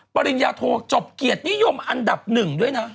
ปริญญาโทจบเกียรตินิยมอันดับหนึ่งด้วยนะ